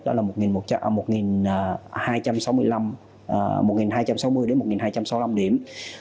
đó là một hai trăm sáu mươi đến một hai trăm sáu mươi năm điểm